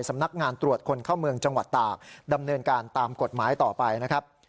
สำนักงานตรวจคนเข้าเมืองจังหวัดตากดำเนินการตามกฎหมายต่อไปนะครับ